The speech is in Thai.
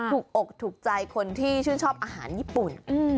อกถูกใจคนที่ชื่นชอบอาหารญี่ปุ่น